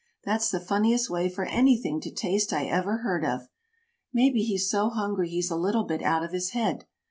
"That's the funniest way for anything to taste I ever heard of. Maybe he's so hungry he's a little bit out of his head.